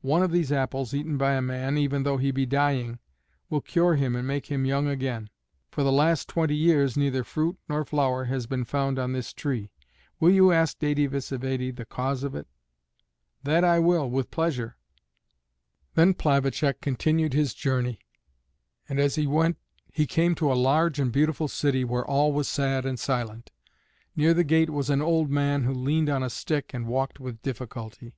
One of these apples eaten by a man, even though he be dying, will cure him and make him young again. For the last twenty years neither fruit nor flower has been found on this tree. Will you ask Dède Vsévède the cause of it?" "That I will, with pleasure." Then Plavacek continued his journey, and as he went he came to a large and beautiful city where all was sad and silent. Near the gate was an old man who leaned on a stick and walked with difficulty.